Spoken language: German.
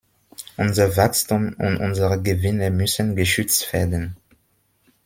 Unser Wachstum und unsere Gewinne müssen geschützt werden.